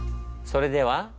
それでは。